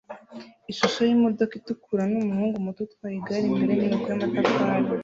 Ishusho yimodoka itukura numuhungu muto utwaye igare imbere yinyubako yamatafari